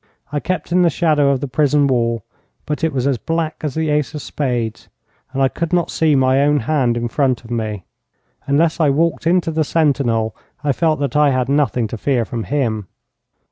I kept in the shadow of the prison wall, but it was as black as the ace of spades, and I could not see my own hand in front of me. Unless I walked into the sentinel I felt that I had nothing to fear from him.